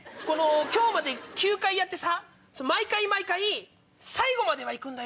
今日まで９回やってさ毎回毎回最後までは行くんだよ。